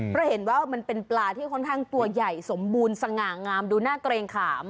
เพราะเห็นว่ามันเป็นปลาที่ค่อนข้างตัวใหญ่สมบูรณ์สง่างามดูน่าเกรงขาม